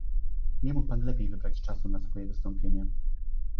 Nie mógł pan lepiej wybrać czasu na swoje wystąpienie